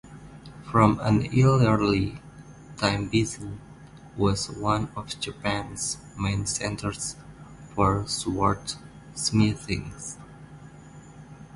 From an early time Bizen was one of Japan's main centers for sword smithing.